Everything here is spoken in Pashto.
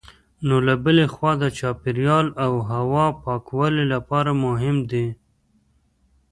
نو له بلې خوا د چاپېریال او هوا پاکوالي لپاره مهم دي.